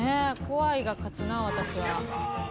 怖いが勝つな私は。